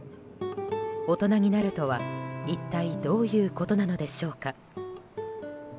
大人になるとは一体どういうことなのでしょうか。